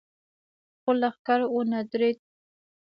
خو لښکر ونه درېد.